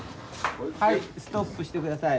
はいストップしてください。